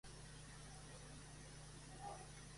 Por ejemplo "Transparente" o "The Man in the High Castle".